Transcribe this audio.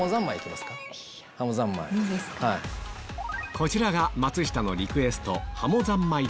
こちらが松下のリクエスト